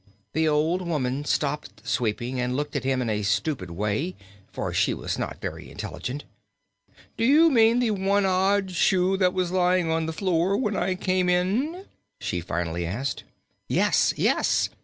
The old woman stopped sweeping and looked at him in a stupid way, for she was not very intelligent. "Do you mean the one odd shoe that was lying on the floor when I came in?" she finally asked. "Yes yes!"